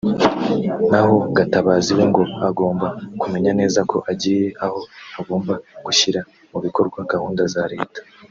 naho Gatabazi we ngo agomba kumenya neza ko agiye aho agomba gushyira mu bikorwa gahunda za leta